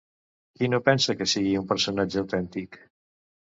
Qui no pensa que sigui un personatge autèntic?